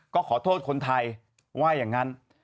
ก็ขอโทษคนไทยว่าอย่างนั้น